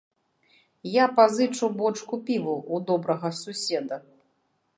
Я пазычу бочку піва ў добрага суседа!